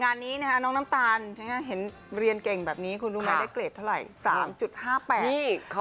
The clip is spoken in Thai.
งานนี้นะฮะน้องน้ำตาลเห็นเรียนเก่งแบบนี้คุณรู้ไหมได้เกรดเท่าไหร่๓๕๘